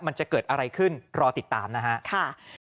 มันจะเกิดอะไรขึ้นรอติดตามนะครับ